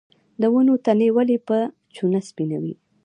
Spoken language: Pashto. د ونو تنې ولې په چونه سپینوي؟